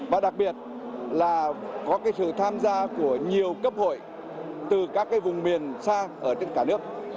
và đặc biệt là có sự tham gia của nhiều cấp hội từ các vùng miền xa ở trên cả nước